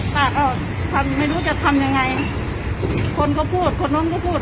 ป้าก็ทำไม่รู้จะทำยังไงคนก็พูดคนนู้นก็พูด